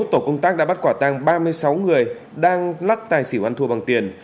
tổ công tác đã bắt quả tăng ba mươi sáu người đang lắc tài xỉu ăn thua bằng tiền